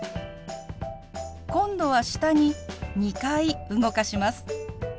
今度は下に２回動かします。